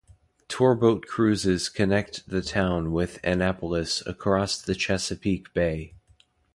Tourboat cruises connect the town with Annapolis across the Chesapeake Bay.